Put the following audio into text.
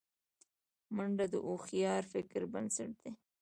منډه د هوښیار فکر بنسټ دی